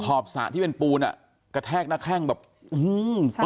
บสระที่เป็นปูนอ่ะกระแทกหน้าแข้งแบบอื้อหือใช่